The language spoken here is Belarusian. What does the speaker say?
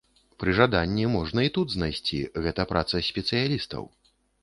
Пры жаданні можна і тут знайсці, гэта праца спецыялістаў.